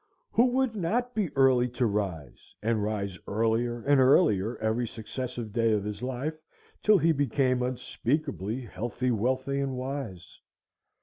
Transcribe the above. Who would not be early to rise, and rise earlier and earlier every successive day of his life, till he became unspeakably healthy, wealthy, and wise?